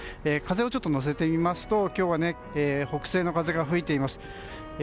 風をちょっと載せてみますと今日は北西の風が吹いています。